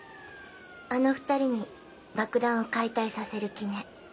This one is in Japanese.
あの２人に爆弾を解体させる気ね？